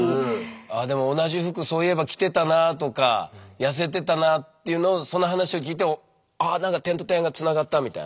でも同じ服そういえば着てたなあとか痩せてたなあっていうのをその話を聞いてあ何か点と点がつながったみたいな？